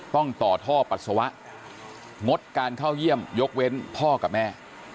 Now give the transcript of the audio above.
ต้องต่อท่อปัสสาวะงดการเข้าเยี่ยมยกเว้นพ่อกับแม่